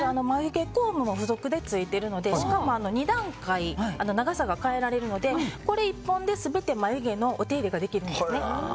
眉毛コームも付属でついているのでしかも、２段階、長さが変えられるので、これ１本で全て眉毛のお手入れができるんです。